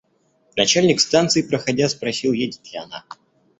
Начальник станции, проходя, спросил, едет ли она.